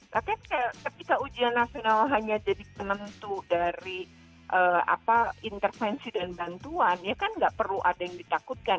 tapi ketika ujian nasional hanya jadi penentu dari intervensi dan bantuan ya kan nggak perlu ada yang ditakutkan